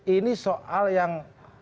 ini soal yang